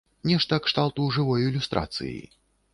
Нешта кшталту жывой ілюстрацыі.